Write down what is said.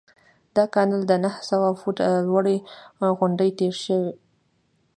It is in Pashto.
دا کانال د نهه سوه فوټه لوړې غونډۍ تیر شوی.